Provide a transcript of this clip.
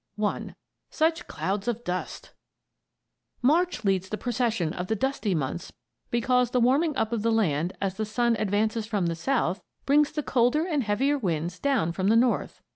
I. SUCH CLOUDS OF DUST! March leads the procession of the dusty months because the warming up of the land, as the sun advances from the south, brings the colder and heavier winds down from the north.